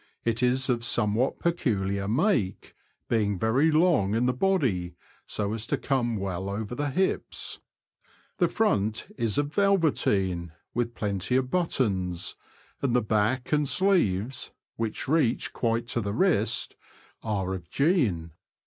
It is of somewhat peculiar make, being very long in the body, so as to come well over the hips. The front is of velveteen, with plenty of buttons, and the back and sleeves (which reach quite to the wrist) are of jean.